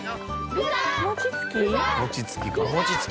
餅つき？